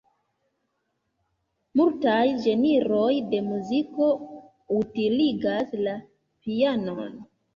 Multaj ĝenroj de muziko utiligas la pianon.